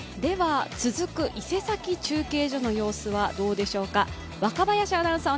続く伊勢崎中継所の様子はどうでしょうか？